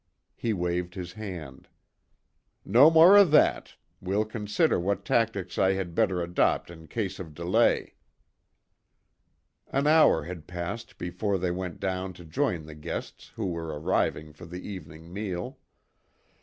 He waved his hand. "No more of that; we'll consider what tactics I had better adopt in case of delay." An hour had passed before they went down to join the guests who were arriving for the evening meal.